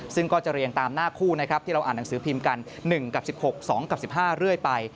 ซึ่งก็จะเรียงตามหน้าคู่นะครับที่เราอ่านหนังสือพิมพ์กัน๑กับ๑๖๒กับ๑๕เรื่อยไป